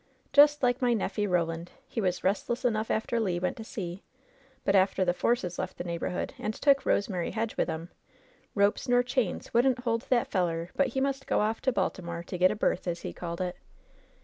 "Just like my neffy, Roland. He was restless enough after Le went to sea, but after the Forces left the neigh borhood and took Rosemary Hedge with 'em, ropes nor chains wouldn't hold that feller, but he must go off to Baltimore to get a berth, as he called it.